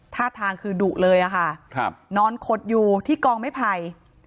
ท่าทางคือดุเลยอะค่ะนอนขดอยู่ที่กองไม้ไผ่